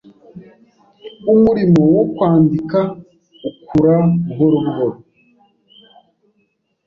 Umurimo wo kwandika ukura buhoro buhoro